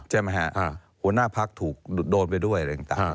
หัวหน้าภักดิ์ถูกโดนไปด้วยอะไรต่าง